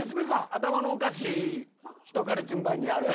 頭のおかしい人から順番にあれ。